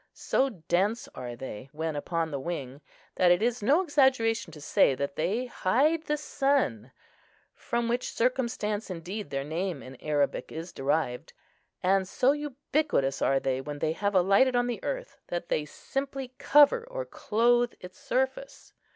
So dense are they, when upon the wing, that it is no exaggeration to say that they hide the sun, from which circumstance indeed their name in Arabic is derived. And so ubiquitous are they when they have alighted on the earth, that they simply cover or clothe its surface.